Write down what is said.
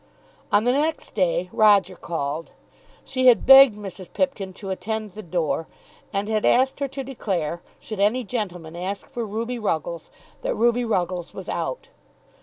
On the next day Roger called. She had begged Mrs. Pipkin to attend the door, and had asked her to declare, should any gentleman ask for Ruby Ruggles, that Ruby Ruggles was out.